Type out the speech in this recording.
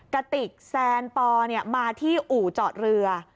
กติกแซนปอมาที่อู่จอดเรือ